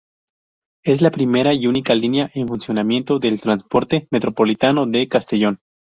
Es la primera y única línea en funcionamiento del transporte metropolitano de Castellón.